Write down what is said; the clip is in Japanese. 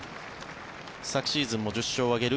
昨シーズンも１０勝を挙げる